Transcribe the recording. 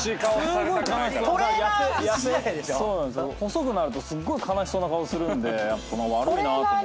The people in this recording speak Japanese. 細くなるとすっごい悲しそうな顔するんでやっぱ悪いなと思って。